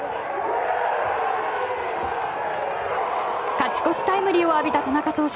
勝ち越しタイムリーを浴びた田中投手。